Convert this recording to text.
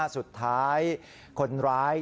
สุดท้ายคนร้าย